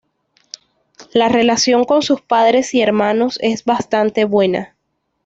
La relación con sus padres y hermanos es bastante buena.